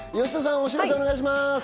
お知らせお願いします。